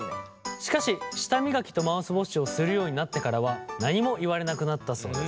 しかし舌磨きとマウスウォッシュをするようになってからは何も言われなくなったそうです。